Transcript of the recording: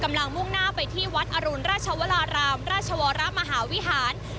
มุ่งหน้าไปที่วัดอรุณราชวรารามราชวรมหาวิหาร